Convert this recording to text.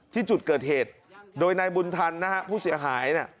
ที่จุดเกิดเหตุโดยนายบุญทันนะฮะผู้เสียหายเนี่ย